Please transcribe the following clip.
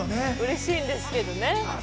嬉しいんですけどね。